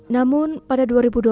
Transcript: namun pada dua ribu dua puluh